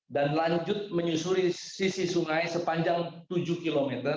dan lanjut menyusuri sisi sungai sepanjang tujuh km